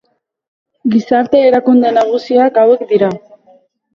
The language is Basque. Gizarte erakunde nagusiak hauek dira.